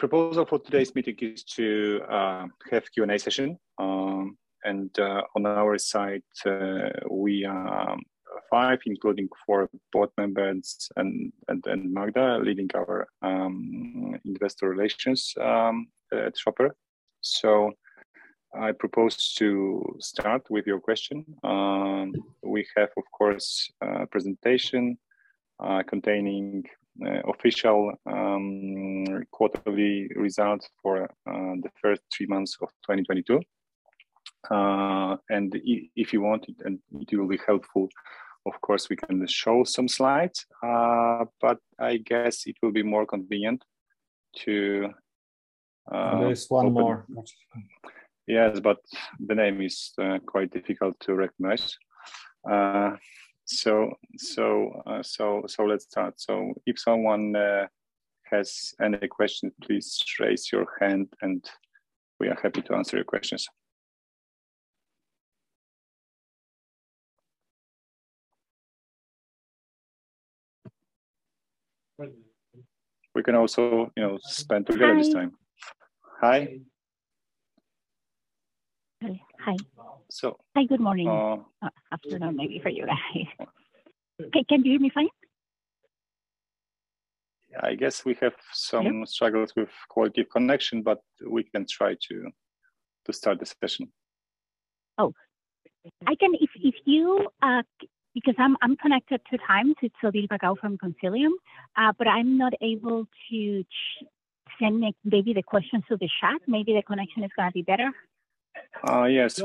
The proposal for today's meeting is to have a Q&A session, and on our side, we are five, including four Board members and then Magda leading our investor relations at Shoper. I propose to start with your question. We have, of course, a presentation containing official quarterly results for the first three months of 2022. If you want it and it will be helpful, of course, we can show some slides. I guess it will be more convenient. The name is quite difficult to recognize. Let's start. If someone has any questions, please raise your hand, and we are happy to answer your questions. Hi. Good morning. Afternoon maybe for you. Can you hear me fine? Yeah, I guess we have some struggles with quality connection, but we can try to start the session. Because I'm connected to the time, so Sylwia Jaśkiewicz from Consilium, but I'm not able to send maybe the questions to the chat. Maybe the connection is slightly better. Yes.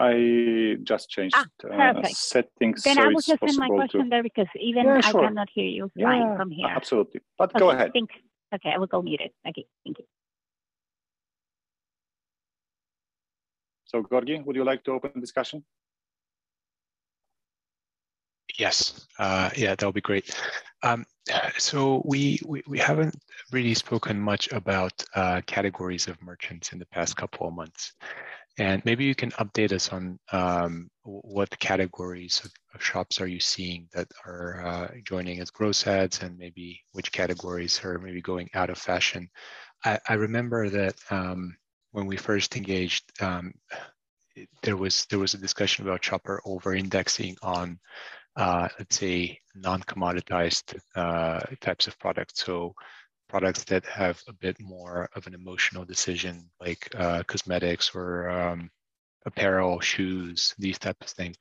I just changed settings so it's possible. Perfect. I would just send my question there even though I am not here. You'll find it from here. Yeah. Absolutely. Go ahead. Okay. I will go mute. Okay. Thank you. Gorgi, would you like to open the discussion? Yes. Yeah, that'd be great. We haven't really spoken much about categories of merchants in the past couple of months. Maybe you can update us on what categories of shops are you seeing that are joining as growth sets and maybe which categories are maybe going out of fashion. I remember that when we first engaged, there was a discussion about Shoper over-indexing on, let's say, non-commoditized types of products. Products that have a bit more of an emotional decision like cosmetics or apparel, shoes, these types of things.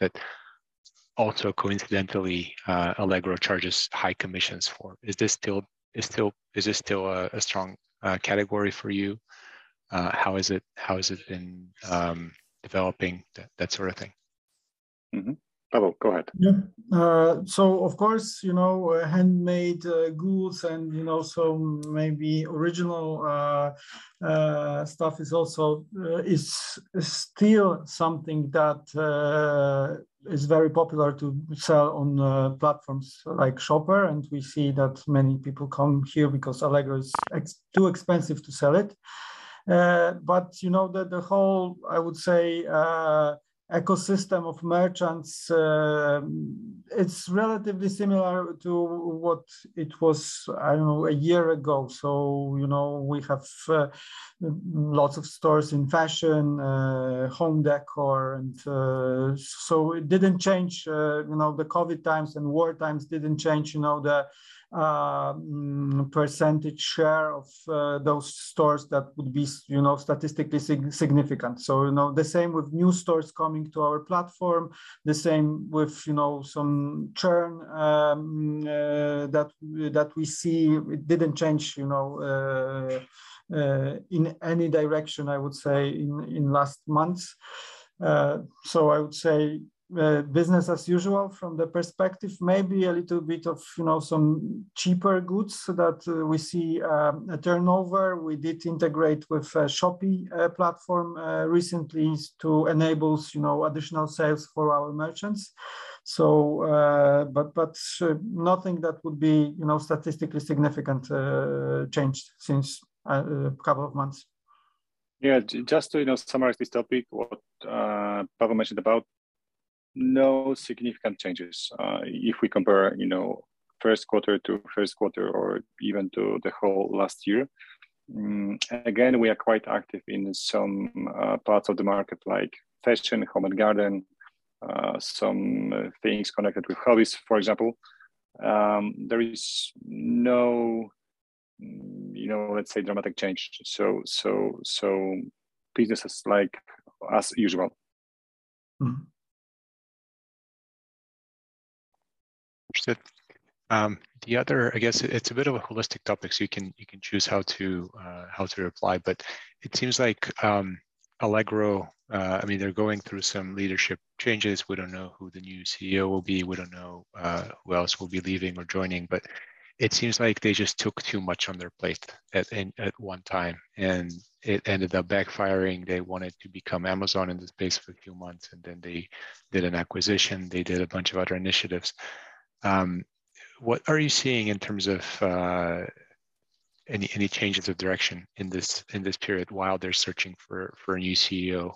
Also coincidentally, Allegro charges high commissions for. Is this still a strong category for you? How has it been developing? That sort of thing. Pawel, go ahead. Yeah. Of course, handmade goods and some maybe original stuff is still something that is very popular to sell on platforms like Shoper, we see that many people come here because Allegro is too expensive to sell it. The whole, I would say, ecosystem of merchants, it's relatively similar to what it was a year ago. We have lots of stores in fashion, home decor. It didn't change, the COVID times and war times didn't change the percentage share of those stores that would be statistically significant. The same with new stores coming to our platform, the same with some churn that we see. It didn't change in any direction, I would say, in last months. I would say business as usual from the perspective, maybe a little bit of some cheaper goods that we see a turnover. We did integrate with a shopping platform recently to enable additional sales for our merchants. Nothing that would be statistically significant change since a couple of months. Just to summarize this topic, what Pawel mentioned about, no significant changes if we compare first quarter to first quarter or even to the whole last year. Again, we are quite active in some parts of the market like fashion, home and garden, some things connected with hobbies, for example. There is no, let's say, dramatic change. Business is as usual. The other, I guess, it's a bit of a holistic topic, so you can choose how to reply, but it seems like Allegro, they're going through some leadership changes. We don't know who the new CEO will be. We don't know who else will be leaving or joining. It seems like they just took too much on their plate at one time, and it ended up backfiring. They wanted to become Amazon in the space for a few months, and then they did an acquisition. They did a bunch of other initiatives. What are you seeing? Any changes of direction in this period while they're searching for a new CEO?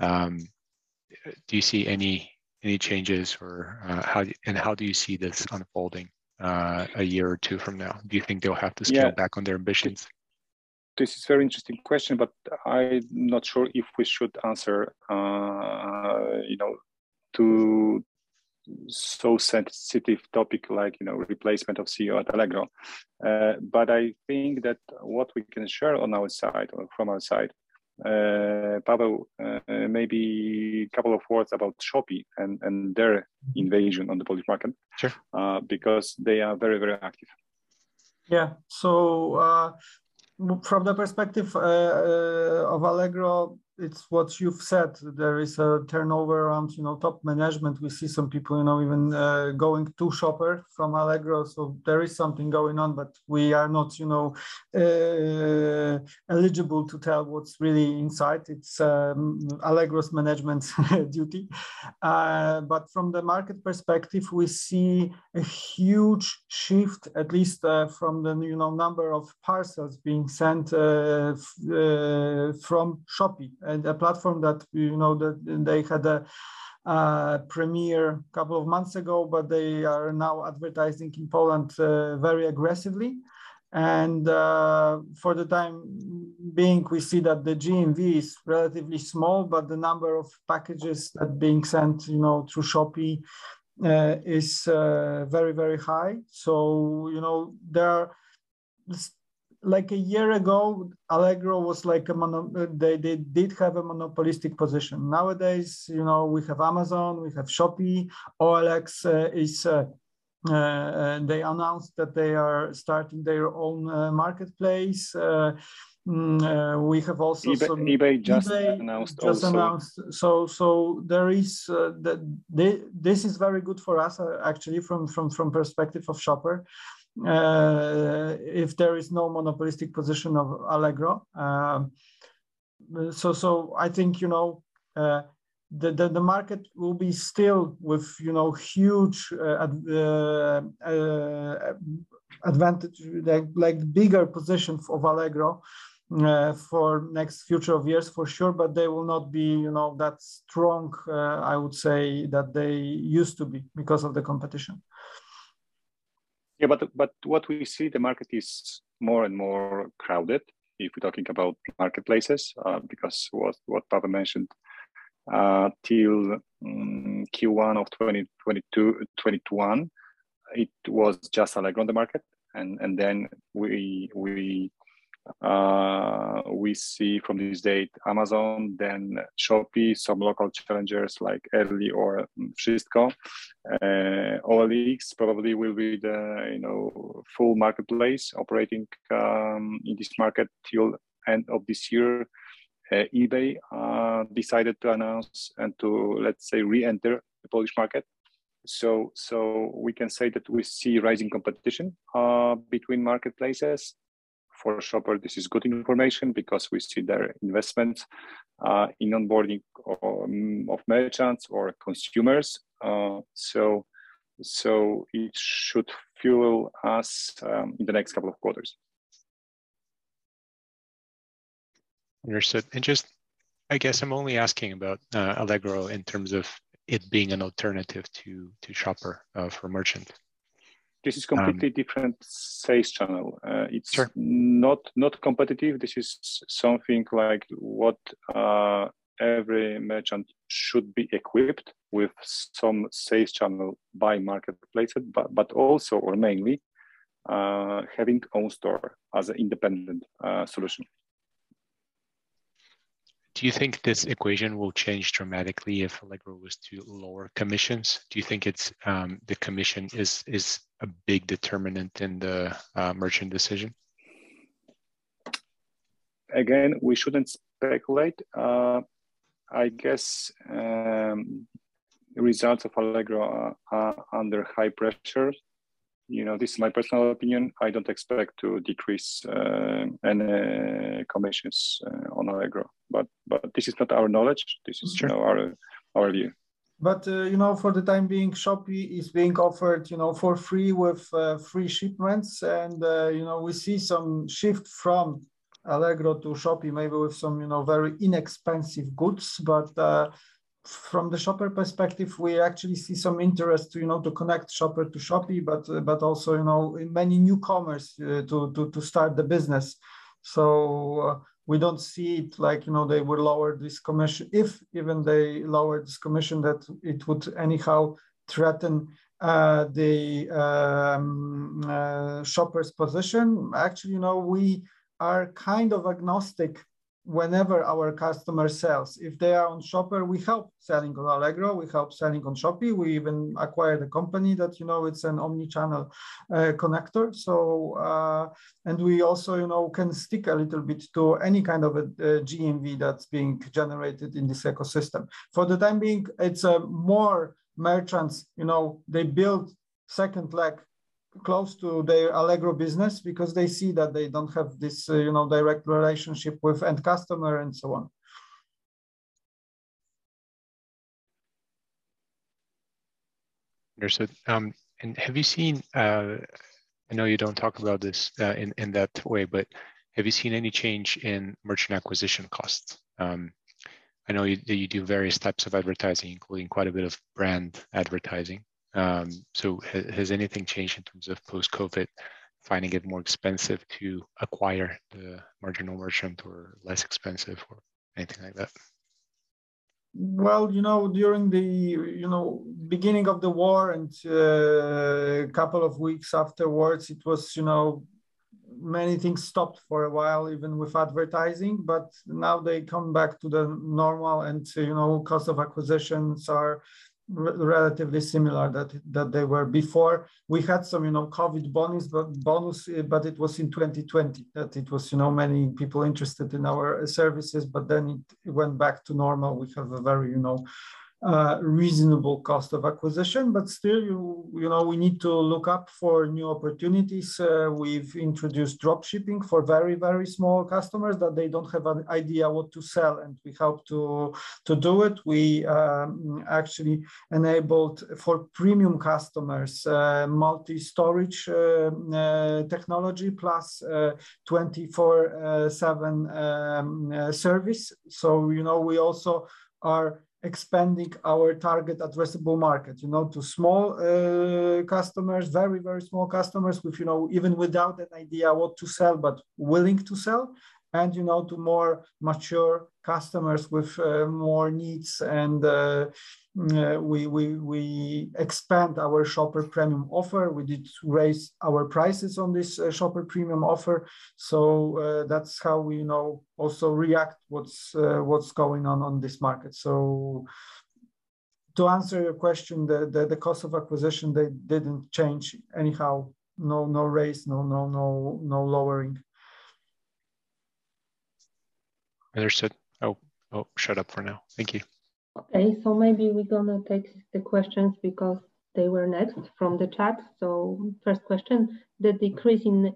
Do you see any changes, and how do you see this unfolding a year or two from now? Do you think they'll have to scale back on their ambitions? This is a very interesting question, I'm not sure if we should answer to so sensitive topic like replacement of CEO at Allegro. I think that what we can share on our side, from our side, Pawel, maybe a couple of words about Shoper and their invasion on the Polish market. Sure. Because they are very active. Yeah. From the perspective of Allegro, it's what you've said. There is a turnover on top management. We see some people now even going to Shoper from Allegro. There is something going on, but we are not eligible to tell what's really inside. It's Allegro's management's duty. From the market perspective, we see a huge shift, at least from the number of parcels being sent from Shopee, a platform that we know that they had a premiere a couple of months ago, but they are now advertising in Poland very aggressively. For the time being, we see that the GMV is relatively small, but the number of packages that are being sent to Shopee is very high. Like a year ago, Allegro did have a monopolistic position. Nowadays, we have Amazon, we have Shopee. OLX, they announced that they are starting their own marketplace. We have also, eBay just announced. This is very good for us, actually, from perspective of Shoper, if there is no monopolistic position of Allegro. I think the market will be still with huge advantage, like bigger positions of Allegro for next future years, for sure, they will not be that strong, I would say, that they used to be because of the competition. What we see, the market is more and more crowded, if we're talking about marketplaces, because what Pawel mentioned, till Q1 2021, it was just Allegro on the market. Then we see from this date, Amazon, then Shopee, some local challengers like Erli or Frisco.pl. OLX probably will be the full marketplace operating in this market till end of this year. eBay decided to announce and to, let's say, reenter the Polish market. We can say that we see rising competition between marketplaces. For Shoper, this is good information because we see their investments in onboarding of merchants or consumers. It should fuel us in the next couple of quarters. Understood. I guess I'm only asking about Allegro in terms of it being an alternative to Shoper for merchant. This is completely different sales channel. Sure. It's not competitive. This is something like what every merchant should be equipped, with some sales channel by marketplace, but also, or mainly, having own store as an independent solution. Do you think this equation will change dramatically if Allegro was to lower commissions? Do you think the commission is a big determinant in the merchant decision? Again, we shouldn't speculate. I guess, results of Allegro are under high pressure. This is my personal opinion. I don't expect to decrease any commissions on Allegro. This is not our knowledge, this is our view. For the time being, Shopee is being offered for free with free shipments, and we see some shift from Allegro to Shopee, maybe with some very inexpensive goods. From the Shoper perspective, we actually see some interest to connect Shoper to Shopee, but also in many newcomers to start the business. We don't see it like they will lower this commission. If even they lower this commission, that it would anyhow threaten the Shoper's position. Actually, we are kind of agnostic whenever our customer sells. If they are on Shoper, we help selling on Allegro, we help selling on Shopee. We even acquired a company that it's an omnichannel connector. We also can stick a little bit to any kind of a GMV that's being generated in this ecosystem. For the time being, it's more merchants. They build second leg close to their Allegro business because they see that they don't have this direct relationship with end customer and so on. Understood. I know you don't talk about this in that way, have you seen any change in merchant acquisition costs? I know that you do various types of advertising, including quite a bit of brand advertising. Has anything changed in terms of post-COVID, finding it more expensive to acquire the marginal merchant or less expensive or anything like that? Well, during the beginning of the war and a couple of weeks afterwards, many things stopped for a while, even with advertising. Now they come back to the normal, and cost of acquisitions are relatively similar that they were before. We had some COVID bonus, but it was in 2020, that it was many people interested in our services, but then it went back to normal. We have a very reasonable cost of acquisition, but still, we need to look out for new opportunities. We've introduced dropshipping for very small customers that they don't have an idea what to sell, and we help to do it. We actually enabled, for premium customers, multi-store technology plus 24/7 service. We also are expanding our target addressable market to small customers, very small customers who, even without an idea what to sell, but willing to sell, and to more mature customers with more needs. We expand our Shoper Premium offer. We did raise our prices on this Shoper Premium offer. That's how we also react what's going on on this market. To answer your question, the cost of acquisition, they didn't change anyhow. No raise, no lowering. Understood. I'll shut up for now. Thank you. Okay. Maybe we're going to take the questions because they were next from the chat. First question, the decrease in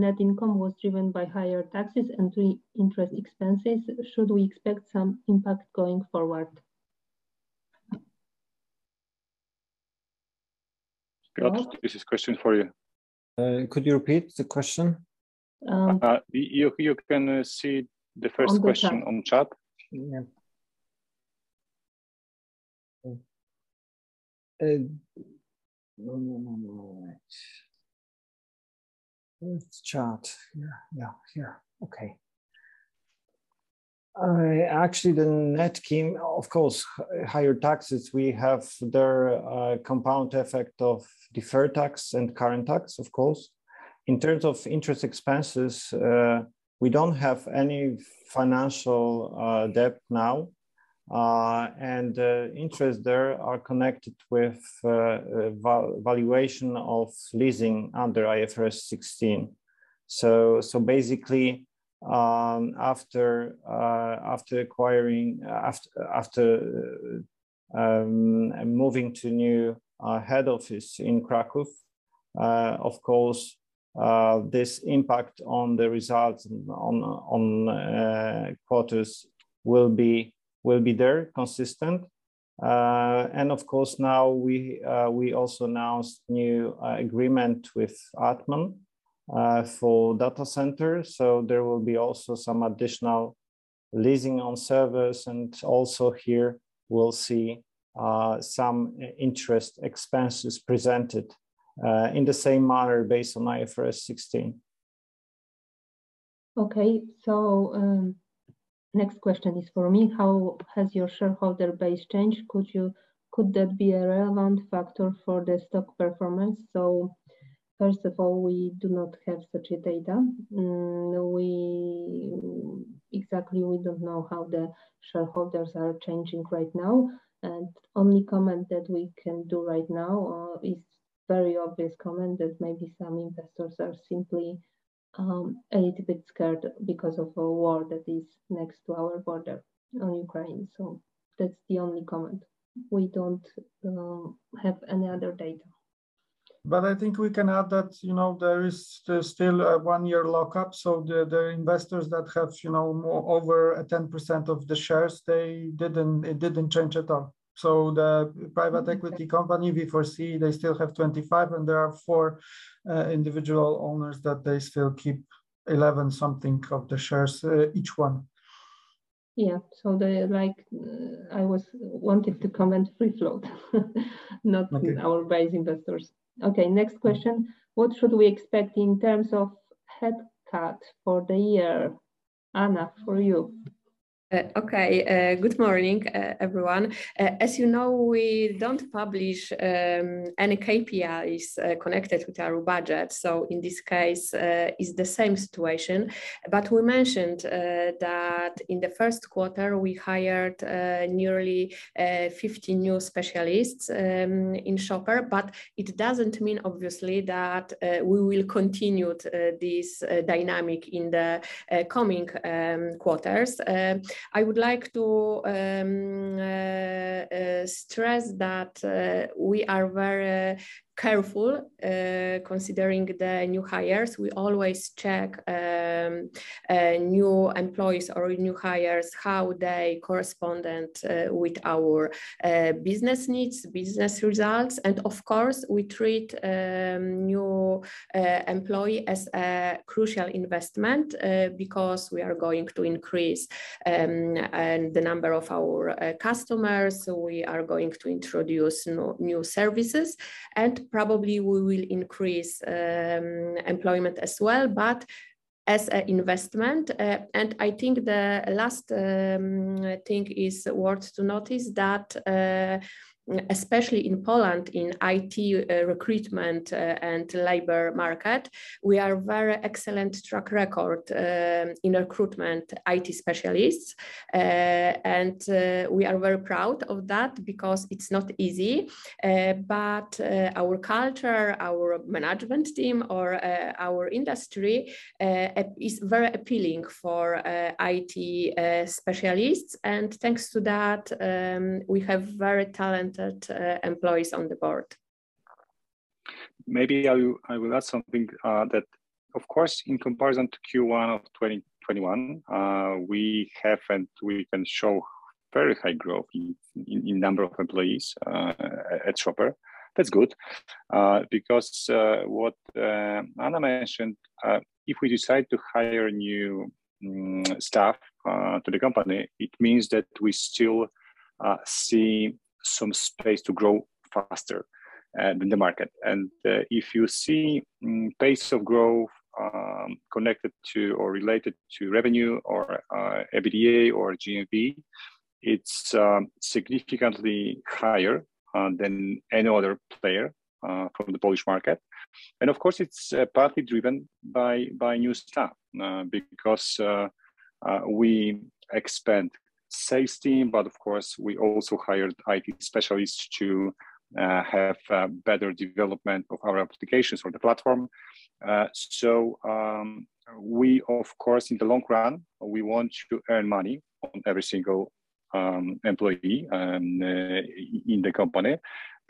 net income was driven by higher taxes and interest expenses. Should we expect some impact going forward? Piotr, this is a question for you. Could you repeat the question? You can see the first question on chat. On the chat. Yeah. No. Which chart? Yeah. Okay. Actually, the net gain, of course, higher taxes, we have there a compound effect of deferred tax and current tax, of course. In terms of interest expenses, we don't have any financial debt now, and interest there are connected with valuation of leasing under IFRS 16. Basically, after moving to new head office in Kraków, of course, this impact on the results on quarters will be very consistent. Of course, now we also announced new agreement with Atman for data center. There will be also some additional leasing on servers, and also here we'll see some interest expenses presented in the same manner based on IFRS 16. Okay, next question is for me. How has your shareholder base changed? Could that be a relevant factor for the stock performance? First of all, we do not have such a data. Exactly, we don't know how the shareholders are changing right now. Only comment that we can do right now is very obvious comment that maybe some investors are simply a little bit scared because of a war that is next to our border on Ukraine. That's the only comment. We don't have any other data. I think we can add that there is still a one-year lockup, so the investors that have over 10% of the shares, it didn't change at all. The private equity company, V4C, they still have 25%, and there are four individual owners that they still keep 11% something of the shares, each one. Yeah. I was wanting to comment before not on our base investors. Okay, next question. What should we expect in terms of headcount for the year? Anna, for you. Okay. Good morning, everyone. As you know, we don't publish any KPIs connected with our budget. In this case, it's the same situation, but we mentioned that in the first quarter, we hired nearly 50 new specialists in Shoper. It doesn't mean, obviously, that we will continue this dynamic in the coming quarters. I would like to stress that we are very careful considering the new hires. We always check new employees or new hires, how they corresponded with our business needs, business results, and of course, we treat new employee as a crucial investment because we are going to increase the number of our customers, we are going to introduce new services, and probably we will increase employment as well, but as an investment. I think the last thing is worth to notice that, especially in Poland, in IT recruitment and labor market, we are very excellent track record in recruitment IT specialists, and we are very proud of that because it's not easy. Our culture, our management team, or our industry is very appealing for IT specialists, and thanks to that, we have very talented employees on board. Maybe I will add something. Of course, in comparison to Q1 of 2021, we have and we can show very high growth in number of employees at Shoper. That's good, because what Anna mentioned, if we decide to hire new staff to the company, it means that we still see some space to grow faster in the market. If you see pace of growth connected to or related to revenue or EBITDA or GMV, it's significantly higher than any other player from the Polish market. Of course, it's partly driven by new staff. We expand sales team, but of course, we also hired IT specialists to have better development of our applications for the platform. We, of course, in the long run, we want to earn money on every single employee in the company.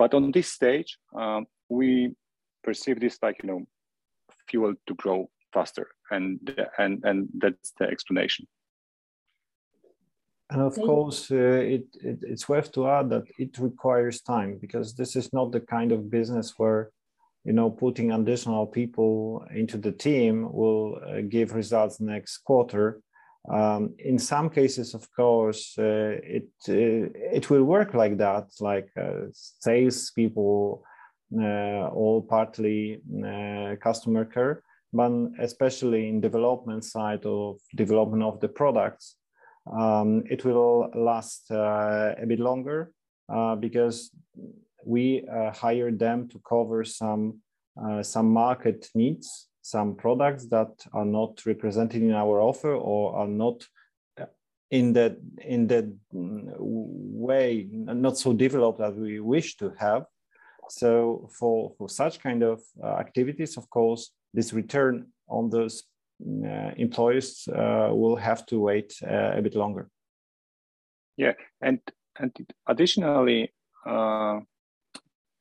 On this stage, we perceive this like fuel to grow faster, and that's the explanation. Of course, it's worth to add that it requires time, because this is not the kind of business where putting additional people into the team will give results next quarter. In some cases, of course, it will work like that, like salespeople or partly customer care, but especially in development side of development of the products, it will last a bit longer, because we hire them to cover some market needs, some products that are not representing our offer or are not in the way, not so developed that we wish to have. For such kind of activities, of course, this return on those employees will have to wait a bit longer. Yeah. Additionally,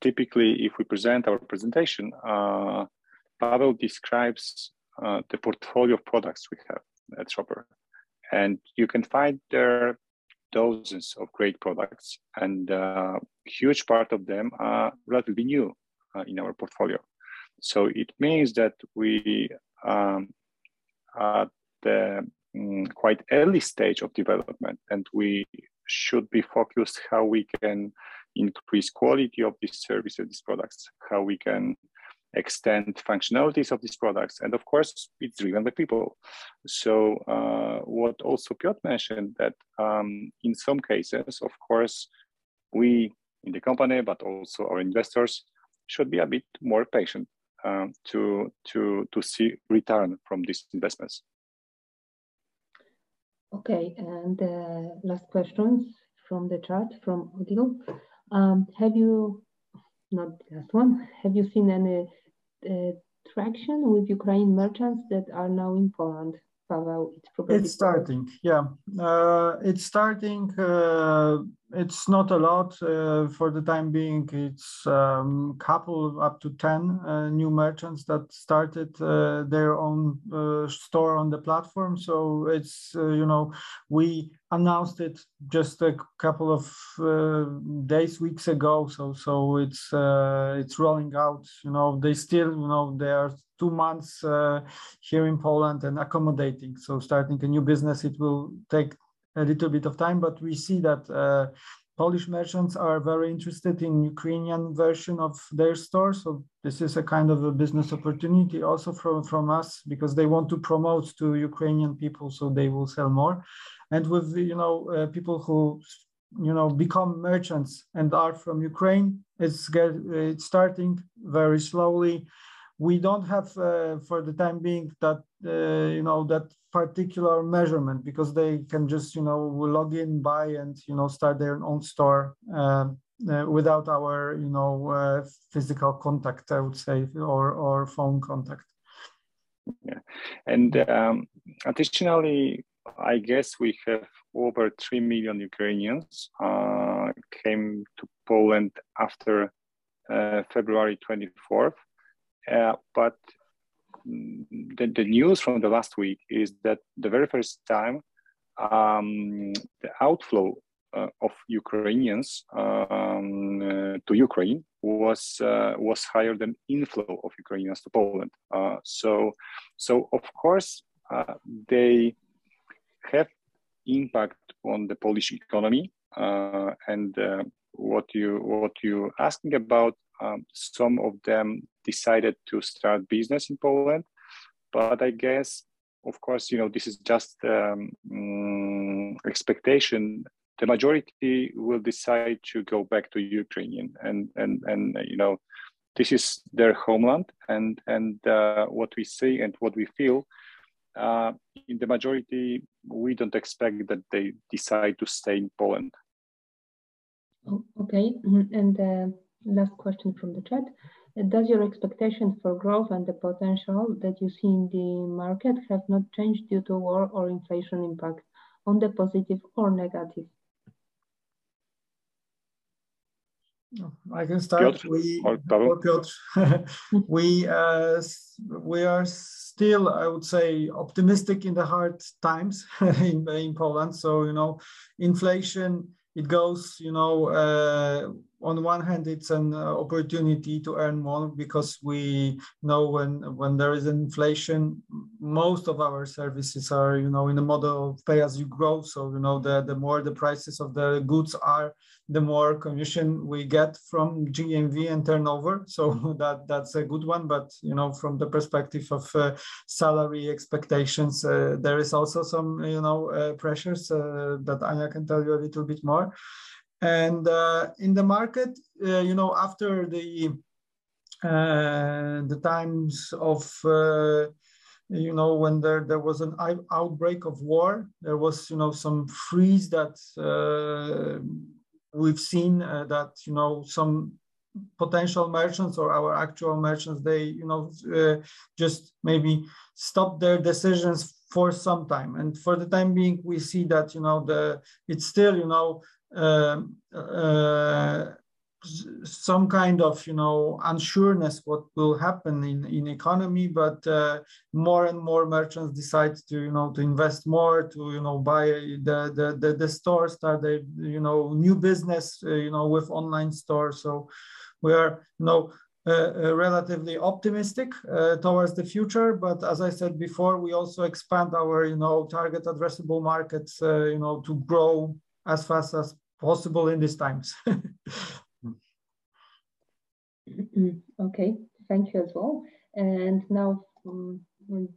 typically, if we present our presentation, Pawel describes the portfolio products we have at Shoper. You can find there dozens of great products, and a huge part of them are relatively new in our portfolio. It means that we are at the quite early stage of development, and we should be focused how we can increase quality of these services, products, how we can extend functionalities of these products, and of course, with relevant people. What also Piotr mentioned that, in some cases, of course, we in the company, but also our investors, should be a bit more patient to see return from these investments. Okay. Last questions from the chat, from Odilo. Not last one. Have you seen any traction with Ukrainian merchants that are now in Poland? It's starting, yeah. It's starting. It's not a lot for the time being, it's couple, up to 10 new merchants that started their own store on the platform. We announced it just a couple of days, weeks ago, so it's rolling out. They are two months here in Poland and accommodating, so starting a new business, it will take a little bit of time. We see that Polish merchants are very interested in Ukrainian version of their store, so this is a kind of a business opportunity also from us, because they want to promote to Ukrainian people, so they will sell more. With people who become merchants and are from Ukraine, it's starting very slowly. We don't have, for the time being, that particular measurement because they can just log in, buy, and start their own store without our physical contact, I would say, or phone contact. Yeah. Additionally, I guess we have over 3 million Ukrainians came to Poland after. February 24th. The news from the last week is that the very first time, the outflow of Ukrainians to Ukraine was higher than inflow of Ukrainians to Poland. Of course, they have impact on the Polish economy. What you're asking about, some of them decided to start business in Poland, but I guess, of course, this is just expectation. The majority will decide to go back to Ukraine, and this is their homeland and what we see and what we feel, in the majority, we don't expect that they decide to stay in Poland. Okay. The last question from the chat. Does your expectations for growth and the potential that you see in the market have not changed due to war or inflation impact on the positive or negative? I can start. Yes, I doubt it. We are still, I would say, optimistic in the hard times in Poland. Inflation, it goes, on one hand, it's an opportunity to earn more because we know when there is inflation, most of our services are in the model of pay as you grow. The more the prices of the goods are, the more commission we get from GMV and turnover. That's a good one. From the perspective of salary expectations, there is also some pressures that I can tell you a little bit more. In the market, after the times of when there was an outbreak of war, there was some freeze that we've seen that some potential merchants or our actual merchants, they just maybe stop their decisions for some time. For the time being, we see that it's still some kind of unsureness what will happen in economy, but more and more merchants decide to invest more, to buy the stores, new business, with online stores. We are relatively optimistic towards the future, but as I said before, we also expand our target addressable markets to grow as fast as possible in these times. Okay, thank you as well. Now,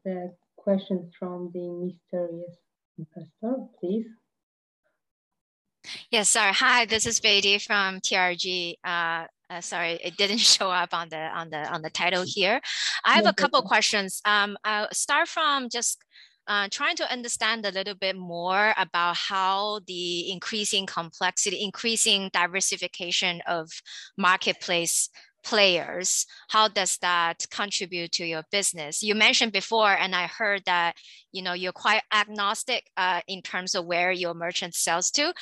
the question from the mysterious imposter, please. Yes, sir. Hi, this is Błażej Kiwerski from TRG. Sorry, it didn't show up on the title here. I have a couple questions. I'll start from just trying to understand a little bit more about how the increasing complexity, increasing diversification of marketplace players, how does that contribute to your business? You mentioned before, and I heard that you're quite agnostic, in terms of where your merchant sells to.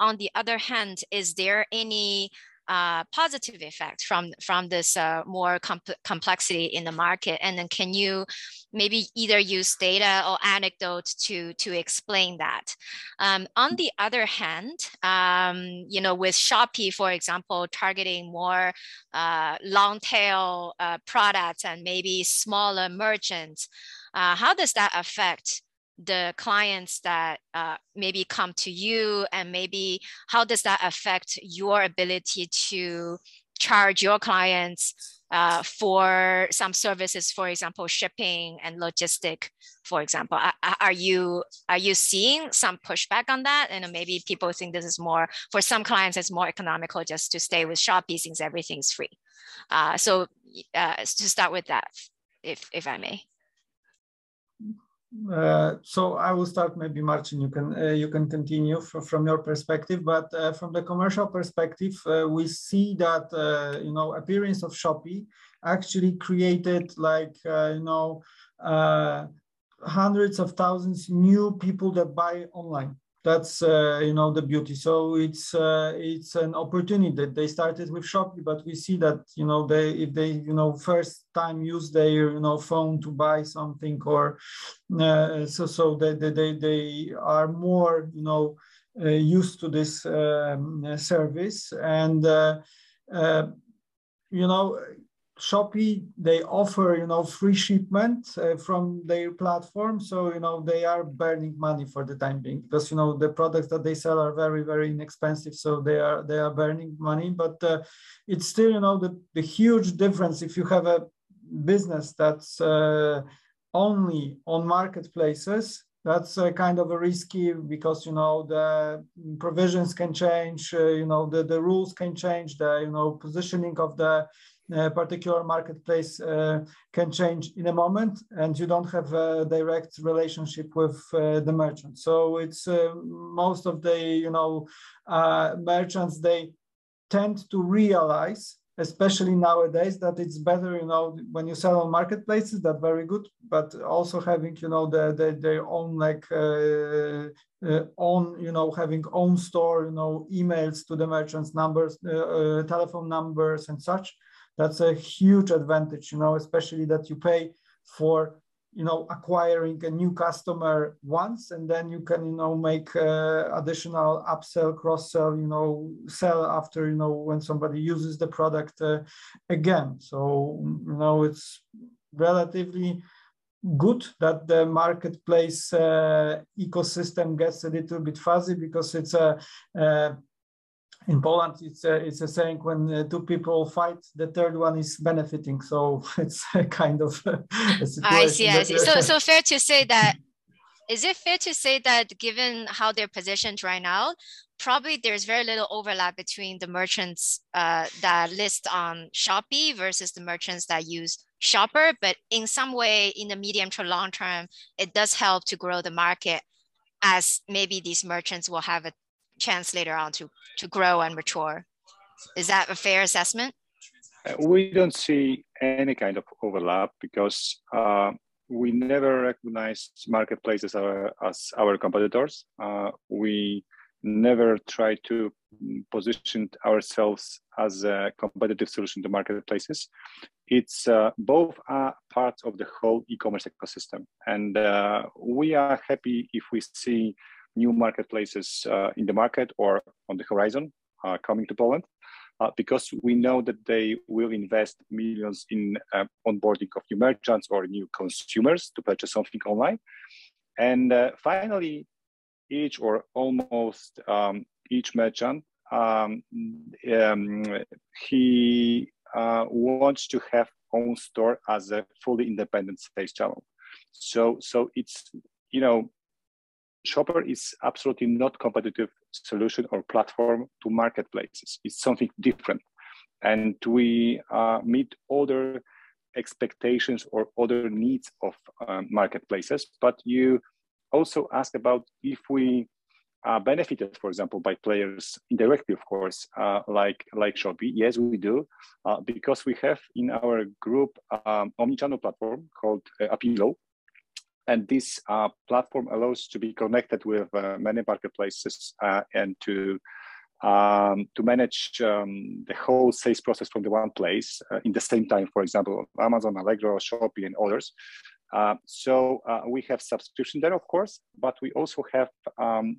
On the other hand, is there any positive effect from this more complexity in the market? Can you maybe either use data or anecdotes to explain that? On the other hand, with Shopee, for example, targeting more long tail products and maybe smaller merchants, how does that affect the clients that maybe come to you and maybe how does that affect your ability to charge your clients for some services, for example, shipping and logistics, for example. Are you seeing some pushback on that? Maybe people think for some clients, it's more economical just to stay with Shopee since everything's free. Just start with that, if I may. I will start maybe, Marcin, you can continue from your perspective, but from the commercial perspective, we see that appearance of Shopee actually created hundreds of thousands of new people that buy online. That's the beauty. It's an opportunity that they started with Shopee, but we see that they first time use their phone to buy something, so they are more used to this service. Shopee, they offer free shipment from their platform. They are burning money for the time being because the products that they sell are very, very inexpensive, so they are burning money. It's still a huge difference if you have a business that's only on marketplaces, that's kind of risky because the provisions can change, the rules can change, the positioning of the particular marketplace can change in a moment, and you don't have a direct relationship with the merchant. Most of the merchants, they tend to realize, especially nowadays, that it's better when you sell on marketplaces, they're very good. Also having their own store, emails to the merchants' telephone numbers and such, that's a huge advantage, especially that you pay for acquiring a new customer once, and then you can make additional upsell, cross-sell, sell after when somebody uses the product again. It's relatively good that the marketplace ecosystem gets a little bit fuzzy because in Poland, it's a saying, when two people fight, the third one is benefiting. It's kind of it's good. I see. Is it fair to say that given how they're positioned right now, probably there's very little overlap between the merchants that list on Shopee versus the merchants that use Shoper, but in some way, in the medium to long term, it does help to grow the market as maybe these merchants will have a chance later on to grow and mature. Is that a fair assessment? We don't see any kind of overlap because we never recognized marketplaces as our competitors. We never try to position ourselves as a competitive solution to marketplaces. Both are parts of the whole e-commerce ecosystem, and we are happy if we see new marketplaces in the market or on the horizon coming to Poland, because we know that they will invest millions in onboarding of new merchants or new consumers to purchase something online. Finally, each or almost each merchant, he wants to have own store as a fully independent space channel. Shoper is absolutely not competitive solution or platform to marketplaces. It's something different, and we meet other expectations or other needs of marketplaces. You also asked about if we benefited, for example, by players indirectly, of course, like Shopee. Yes, we do, because we have in our group omnichannel platform called Apilo, and this platform allows to be connected with many marketplaces, and to manage the whole sales process from the one place in the same time, for example, Amazon, Allegro, Shopee, and others. We have substitution there, of course, but we also have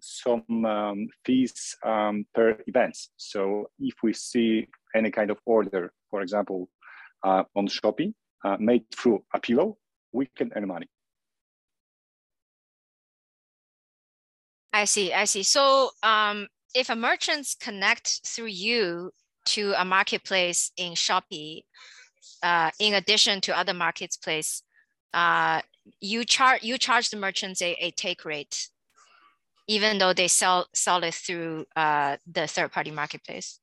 some fees per events. If we see any kind of order, for example, on Shopee made through Apilo, we can earn money. I see. If a merchant connects through you to a marketplace in Shopee, in addition to other marketplace, you charge the merchants a take rate even though they sell this through the third party marketplace?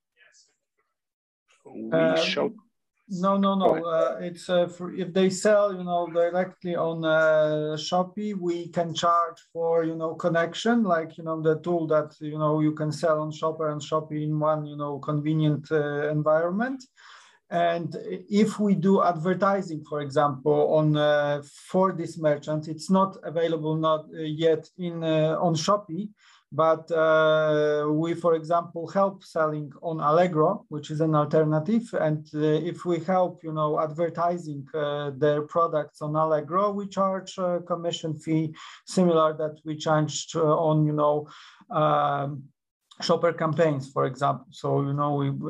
No. If they sell directly on Shopee, we can charge for connection, like the tool that you can sell on Shoper and Shopee in one convenient environment. If we do advertising, for example, for this merchant, it's not available yet on Shopee. We, for example, help selling on Allegro, which is an alternative, and if we help advertising their products on Allegro, we charge a commission fee similar that we charge on Shoper campaigns, for example.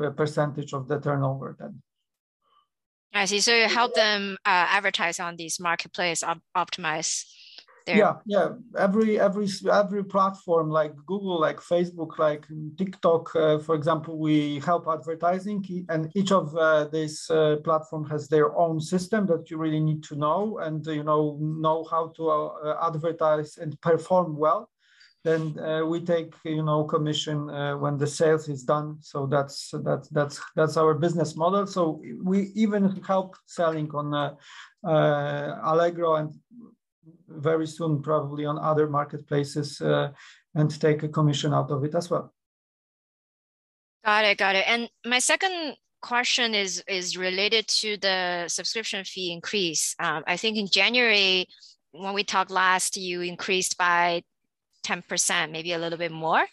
A percentage of the turnover then. I see. You help them advertise on these marketplace. Yeah. Every platform like Google, like Facebook, like TikTok, for example, we help advertising, and each of this platform has their own system that you really need to know, and know how to advertise and perform well. We take commission when the sales is done. That's our business model. We even help selling on Allegro and very soon, probably on other marketplaces, and take a commission out of it as well. Got it. My second question is related to the subscription fee increase. I think in January when we talked last, you increased by 10%, maybe a little bit more.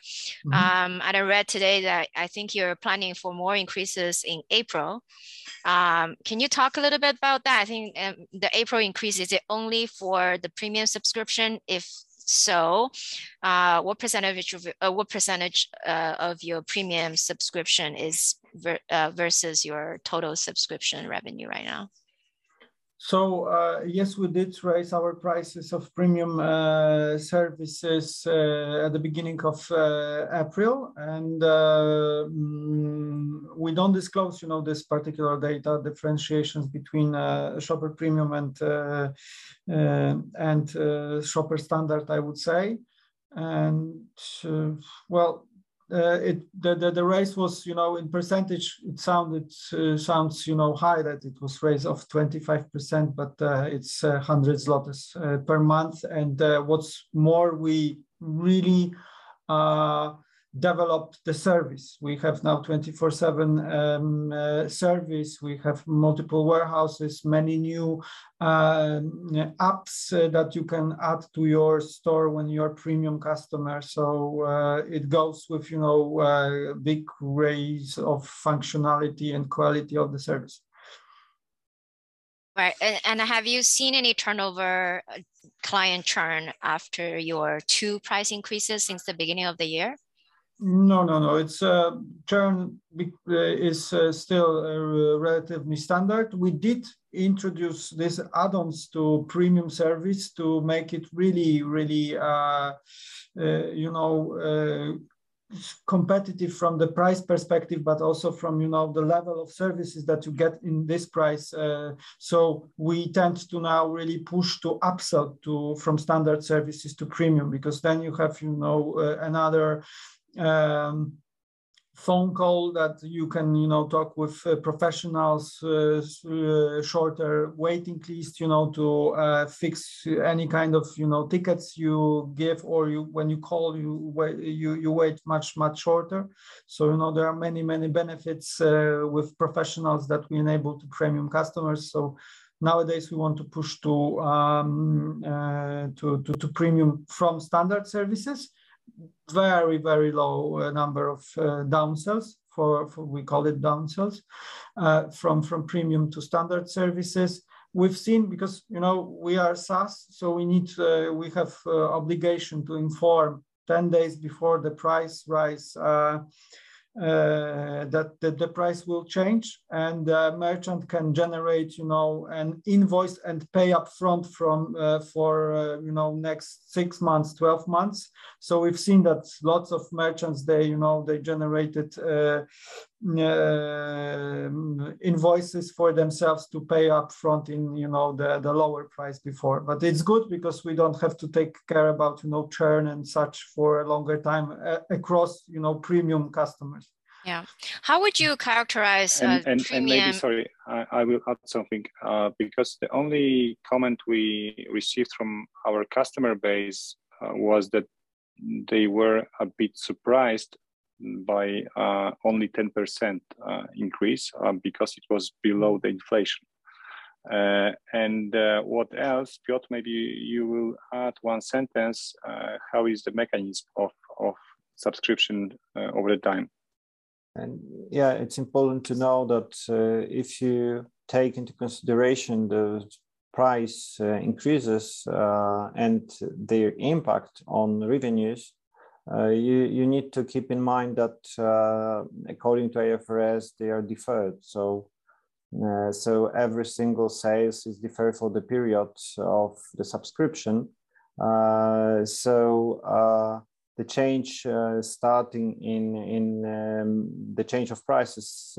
I read today that I think you're planning for more increases in April. Can you talk a little bit about that? I think the April increase, is it only for the premium subscription? If so, what percentage of your premium subscription is versus your total subscription revenue right now? Yes, we did raise our prices of premium services at the beginning of April, and we don't disclose this particular data differentiations between Shoper Premium and Shoper Standard, I would say. Well, the raise was in percentage, it sounds high that it was raised of 25%, but it's hundreds PLN per month, and what's more, we really developed the service. We have now 24/7 service. We have multiple warehouses, many new apps that you can add to your store when you're a premium customer, so it goes with big raise of functionality and quality of the service. Right. Have you seen any turnover client churn after your two price increases since the beginning of the year? Churn is still relatively standard. We did introduce these add-ons to Shoper Premium service to make it really competitive from the price perspective, but also from the level of services that you get in this price. We tend to now really push to upsell from Shoper Standard services to Shoper Premium, because then you have another phone call that you can talk with professionals, shorter waiting list to fix any kind of tickets you give, or when you call, you wait much, much shorter. There are many benefits with professionals that we enable to Shoper Premium customers. Nowadays we want to push to Shoper Premium from Shoper Standard services. Very low number of downsells, we call it downsells, from Shoper Premium to Shoper Standard services. We've seen, because we are SaaS, we have obligation to inform 10 days before the price rise that the price will change, and the merchant can generate an invoice and pay upfront for next six months, 12 months. We've seen that lots of merchants, they generated invoices for themselves to pay upfront in the lower price before. It's good because we don't have to take care about churn and such for a longer time across premium customers. Yeah. How would you characterize premium. Maybe, sorry, I will add something. The only comment we received from our customer base was that they were a bit surprised by only 10% increase because it was below the inflation. What else, Piotr, maybe you will add one sentence, how is the mechanism of subscription over time? Yeah. It's important to know that if you take into consideration the price increases and their impact on revenues, you need to keep in mind that according to IFRS, they are deferred. Every single sales is deferred for the period of the subscription. The change of prices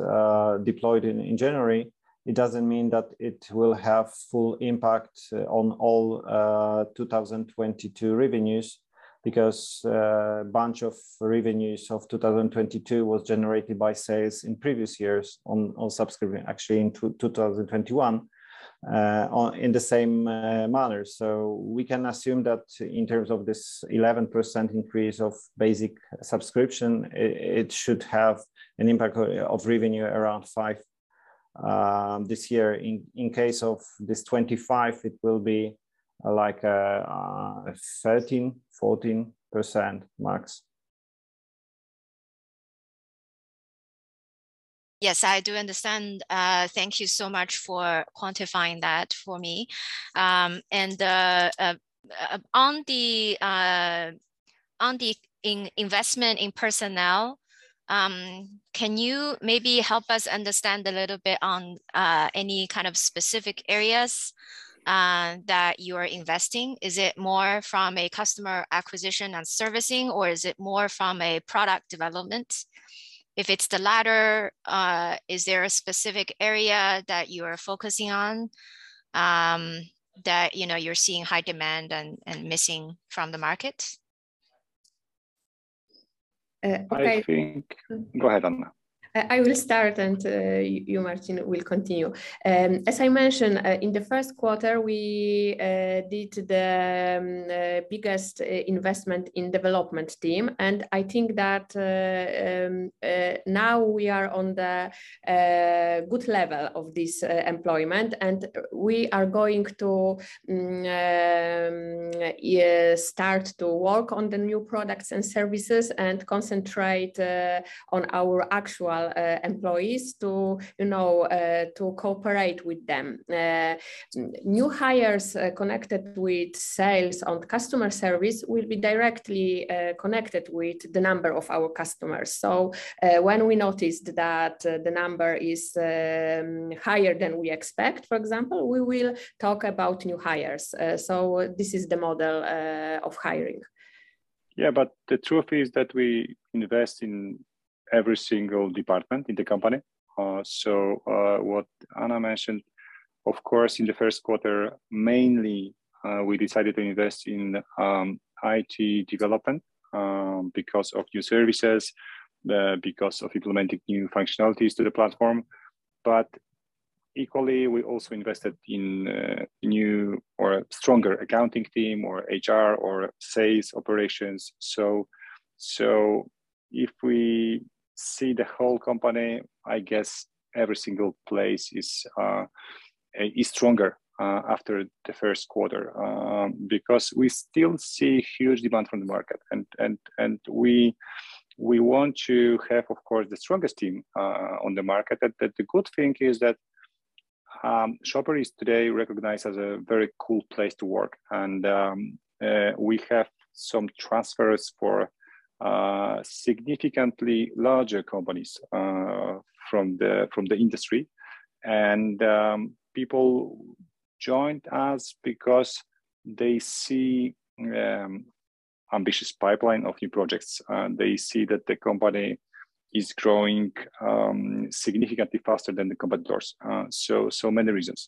deployed in January, it doesn't mean that it will have full impact on all 2022 revenues because a bunch of revenues of 2022 was generated by sales in previous years, on subscription, actually, in 2021, in the same manner. We can assume that in terms of this 11% increase of basic subscription, it should have an impact of revenue around five this year. In case of this 25, it will be 13%, 14% max. Yes, I do understand. Thank you so much for quantifying that for me. On the investment in personnel, can you maybe help us understand a little bit on any kind of specific areas that you are investing? Is it more from a customer acquisition and servicing, or is it more from a product development? If it's the latter, is there a specific area that you are focusing on that you're seeing high demand and missing from the market? Go ahead, Anna. I will start, you, Marcin, will continue. As I mentioned, in the first quarter, we did the biggest investment in development team, and I think that now we are on the good level of this employment, and we are going to start to work on the new products and services, and concentrate on our actual employees to cooperate with them. New hires connected with sales or customer service will be directly connected with the number of our customers. When we noticed that the number is higher than we expect, for example, we will talk about new hires. This is the model of hiring. The truth is that we invest in every single department in the company. What Anna mentioned, of course, in the first quarter, mainly, we decided to invest in IT development because of new services, because of implementing new functionalities to the platform. Equally, we also invested in new or stronger accounting team or HR or sales operations. If we see the whole company, I guess every single place is stronger after the first quarter, because we still see huge demand from the market, and we want to have, of course, the strongest team on the market. The good thing is that Shoper is today recognized as a very cool place to work. We have some transfers for significantly larger companies from the industry. People joined us because they see ambitious pipeline of new projects, they see that the company is growing significantly faster than the competitors. Many reasons.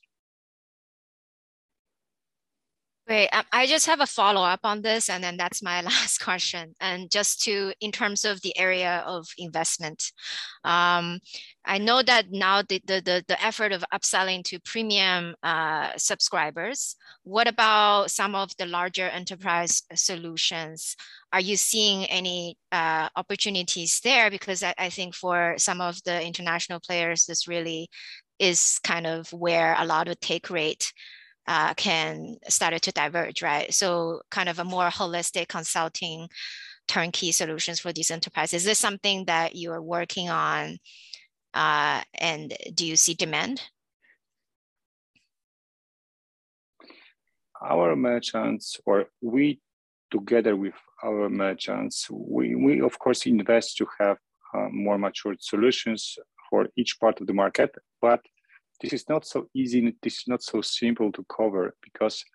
Great. I just have a follow-up on this, then that's my last question. Just in terms of the area of investment. I know that now the effort of upselling to premium subscribers, what about some of the larger enterprise solutions? Are you seeing any opportunities there? I think for some of the international players, this really is kind of where a lot of take rate can start to diverge, right? Kind of a more holistic consulting turnkey solutions for these enterprises. Is this something that you're working on? Do you see demand? Our merchants, or we together with our merchants, we of course invest to have more mature solutions for each part of the market. This is not so easy, this is not so simple to cover because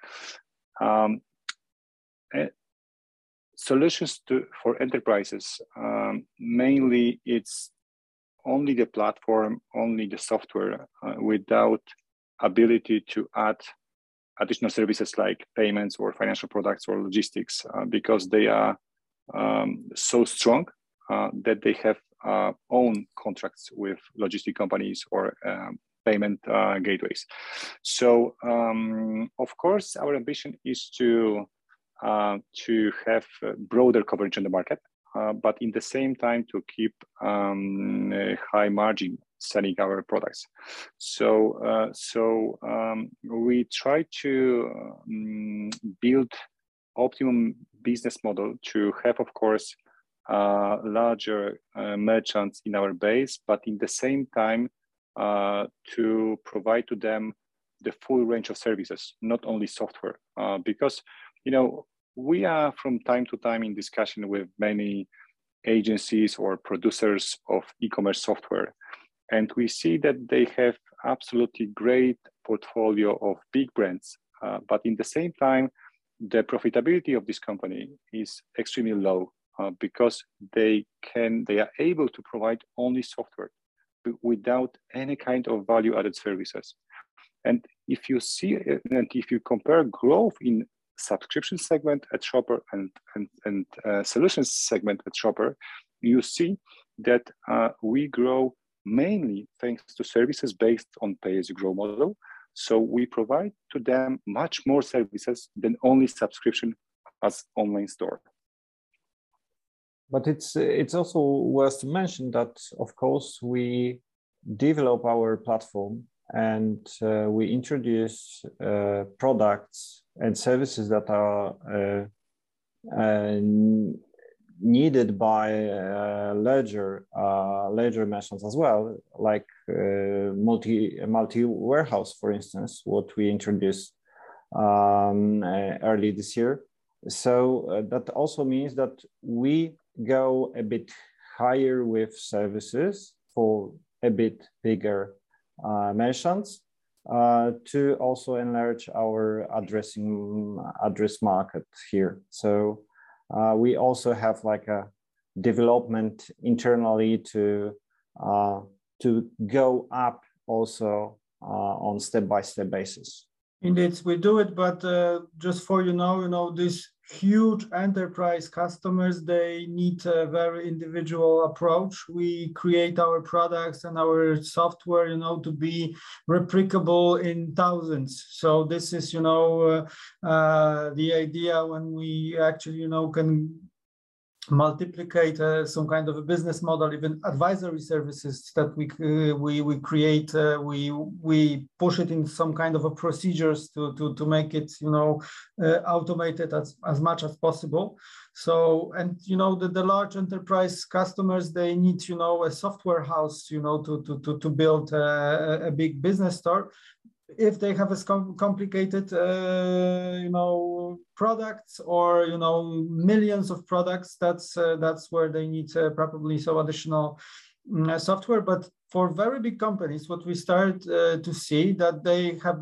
solutions for enterprises, mainly it's only the platform, only the software, without ability to add additional services like payments or financial products or logistics, because they are so strong that they have own contracts with logistic companies or payment gateways. Of course our ambition is to have broader coverage in the market, but in the same time to keep high margin selling our products. We try to build optimum business model to have, of course, larger merchants in our base, but in the same time, to provide to them the full range of services, not only software. We are from time to time in discussion with many agencies or producers of e-commerce software. We see that they have absolutely great portfolio of big brands. In the same time, the profitability of this company is extremely low, because they are able to provide only software, without any kind of value-added services. If you compare growth in subscription segment at Shoper and solutions segment at Shoper, you see that we grow mainly thanks to services based on pay-as-you-grow model. We provide to them much more services than only subscription as online store. It's also worth to mention that, of course, we develop our platform, and we introduce products and services that are needed by larger merchants as well, like multi-warehouse, for instance, what we introduced early this year. That also means that we go a bit higher with services for a bit bigger merchants, to also enlarge our address markets here. We also have a development internally to go up also on step-by-step basis. Indeed, we do it. Just for you know, these huge enterprise customers, they need a very individual approach. We create our products and our software to be replicable in thousands. This is the idea when we actually can multiplicator some kind of a business model, even advisory services that we create, we push it in some kind of a procedures to make it automated as much as possible. The large enterprise customers, they need a software house to build a big business store. If they have a complicated products or millions of products, that's where they need to probably sell additional software. For very big companies, what we start to see that they have,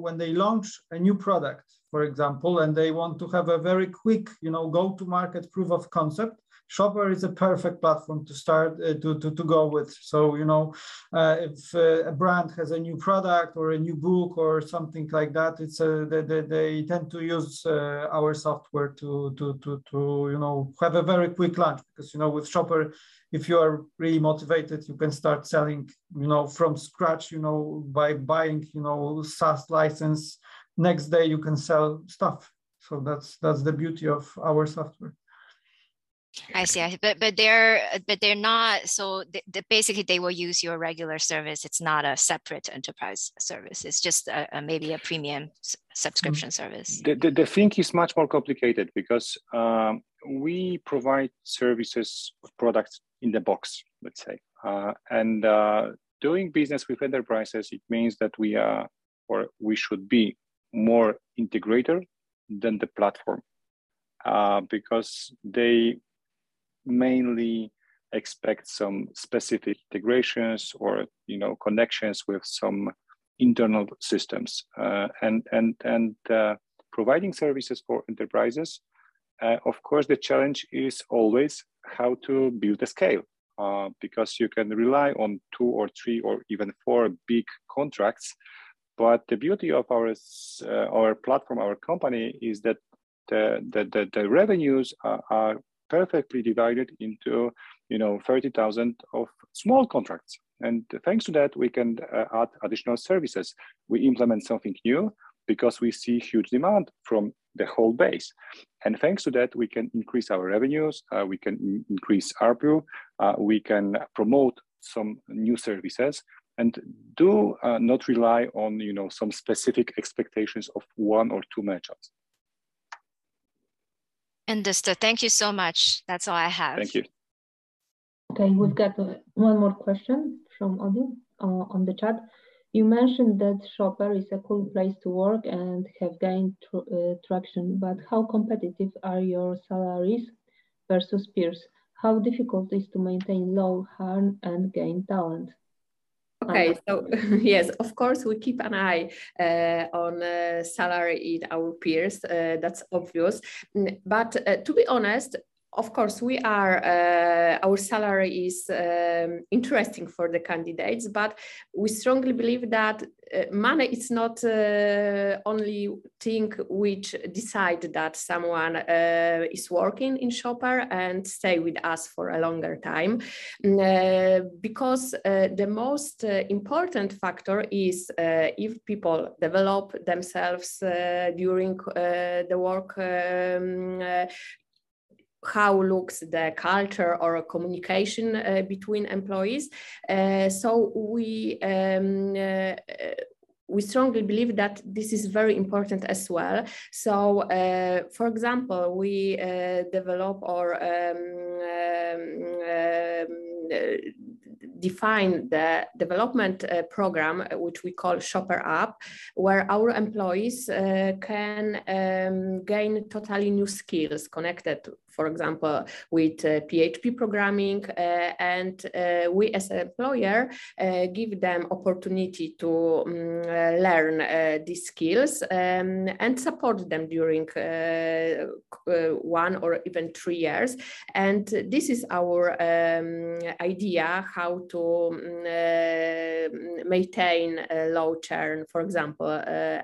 when they launch a new product, for example, and they want to have a very quick go-to-market proof of concept, Shoper is a perfect platform to start, to go with. If a brand has a new product or a new book or something like that, they tend to use our software to have a very quick launch. With Shoper, if you are really motivated, you can start selling from scratch, by buying SaaS license, next day you can sell stuff. That's the beauty of our software. I see. Basically, they will use your regular service. It's not a separate enterprise service. It's just maybe a premium subscription service. The thing is much more complicated because we provide services of products in the box, let's say. Doing business with enterprises, it means that we are, or we should be more integrator than the platform, because they mainly expect some specific integrations or connections with some internal systems. Providing services for enterprises, of course, the challenge is always how to build a scale, because you can rely on two or three or even four big contracts. The beauty of our platform, our company is that the revenues are perfectly divided into 30,000 of small contracts. Thanks to that, we can add additional services. We implement something new because we see huge demand from the whole base. Thanks to that, we can increase our revenues, we can increase ARPU, we can promote some new services, and do not rely on some specific expectations of one or two merchants. Understood. Thank you so much. That's all I have. Thank you. Okay. We've got one more question from Abu on the chat. You mentioned that Shoper is a cool place to work and have gained traction, how competitive are your salaries versus peers? How difficult is to maintain low churn and gain talent? Okay. Yes, of course, we keep an eye on salary in our peers, that's obvious. To be honest, of course, our salary is interesting for the candidates, but we strongly believe that money is not only thing which decide that someone is working in Shoper and stay with us for a longer time. The most important factor is if people develop themselves during the work, how looks the culture or communication between employees. We strongly believe that this is very important as well. For example, we develop or define the development program, which we call Shoper Up, where our employees can gain totally new skills connected, for example, with PHP programming. We as employer give them opportunity to learn these skills and support them during one or even three years. This is our idea how to maintain a low churn, for example,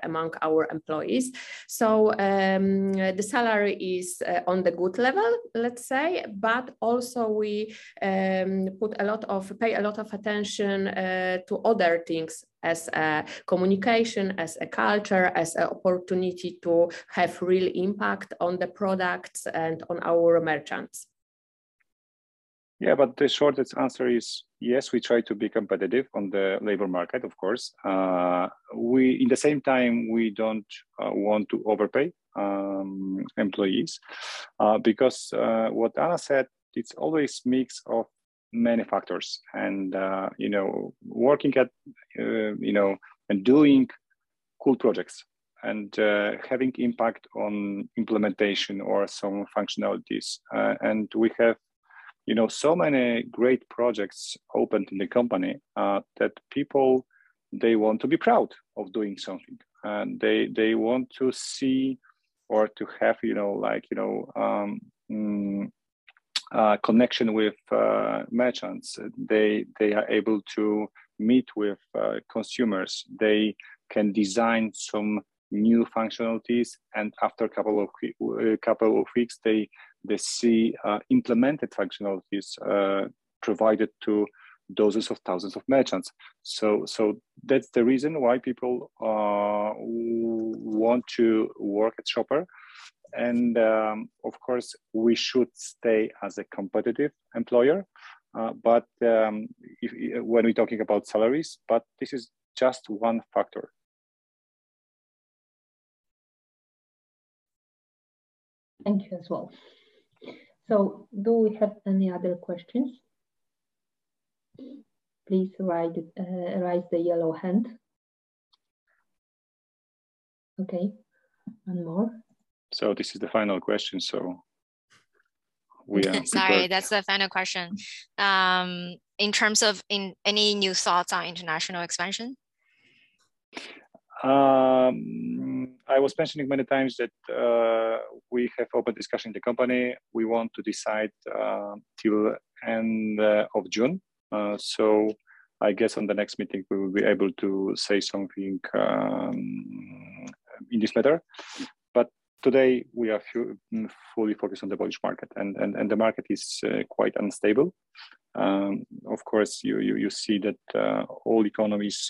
among our employees. The salary is on the good level, let's say, but also we pay a lot of attention to other things as communication, as a culture, as an opportunity to have real impact on the products and on our merchants. The shortest answer is, yes, we try to be competitive on the labor market, of course. In the same time, we don't want to overpay employees, because what Anna said, it's always mix of many factors and working and doing cool projects and having impact on implementation or some functionalities. We have so many great projects opened in the company, that people, they want to be proud of doing something, and they want to see or to have connection with merchants. They are able to meet with consumers. They can design some new functionalities, and after a couple of weeks, they see implemented functionalities provided to dozens of thousands of merchants. That's the reason why people want to work at Shoper. Of course, we should stay as a competitive employer, when we're talking about salaries, but this is just one factor. Thank you as well. Do we have any other questions? Please raise the yellow hand. Okay. One more. This is the final question. That's it. Sorry, that's the final question. In terms of any new thoughts on international expansion? I was mentioning many times that we have open discussion in the company. We want to decide till end of June. I guess on the next meeting, we will be able to say something in this letter. Today, we are fully focused on the Polish market, and the market is quite unstable. Of course, you see that all economies,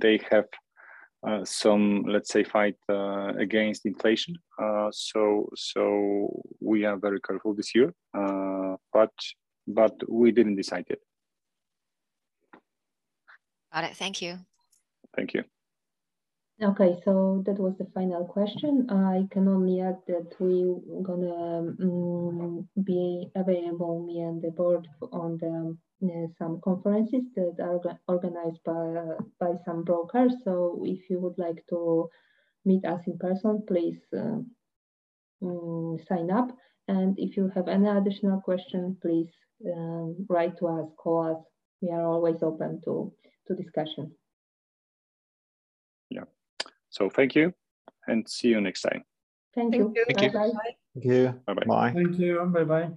they have some, let's say, fight against inflation. We are very careful this year. We didn't decide yet. All right. Thank you. Thank you. That was the final question. I can only add that we going to be available, me and the Board, on some conferences that are organized by some brokers. If you would like to meet us in person, please sign up. If you have any additional questions, please write to us, call us. We are always open to discussion. Yeah. Thank you, and see you next time. Thank you. Thank you. Bye-bye. Thank you. Bye-bye. Bye.